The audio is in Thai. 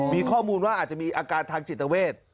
มีข้อมูลว่าอาจจะมีอาการทางจิตเวท